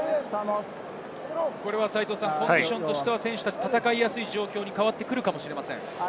コンディションとしては選手たち、戦いやすい状況に変わってくるかもしれません。